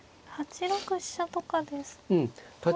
８六飛車とかですと。